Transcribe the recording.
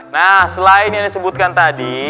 nah selain yang disebutkan tadi